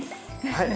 はい。